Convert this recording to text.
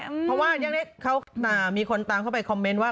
เพราะว่าเขามีคนตามเข้าไปคอมเมนต์ว่า